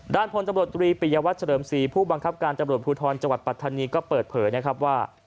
ด้านพลจำบริปรียวัตรเชริมสีผู้บังคับการจำบริปรุธรจังหวัดปรัฐธานีก็เปิดเผยว่า